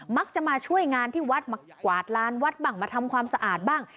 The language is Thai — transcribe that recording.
มักจะมาช่วยงานที่วัดมากวาดลานวัดบ้างมาทำความสะอาดบ้าง